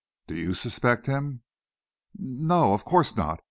"Do you suspect him?" "N no, of course not.